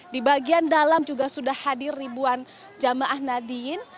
di bagian dalam juga sudah hadir ribuan jamaah nadiyin